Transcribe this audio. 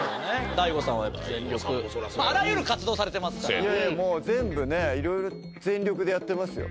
ＤＡＩＧＯさんはやっぱ全力まぁあらゆる活動されてますからいやいやもう全部ねいろいろ全力でやってますよ